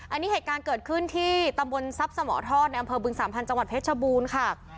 อันนี้เหตุการณ์เกิดขึ้นที่ตำบลทรัพย์สมทอดในอำเภอบึงสามพันธ์จังหวัดเพชรชบูรณ์ค่ะ